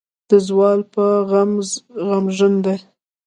د زوال پۀ غم غمژن دے ۔